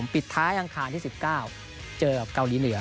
ปิดท้ายอังคารที่๑๙เจอกับเกาหลีเหนือ